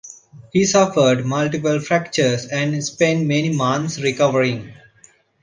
He suffered multiple fractures and spent many months recovering.